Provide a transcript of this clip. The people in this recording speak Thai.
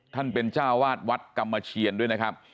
ท่านเป็นเจ้าวาดวัดกรรมเชียนด้วยนะครับ